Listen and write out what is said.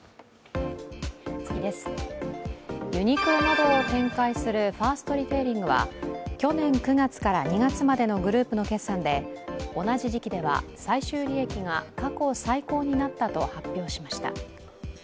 ユニクロなどを展開するファーストリテイリングは去年９月から２月までのグループの決算で同じ時期では最終利益が過去最高になったと発表しました。